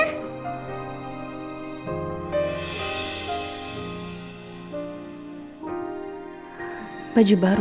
aku beli baju baru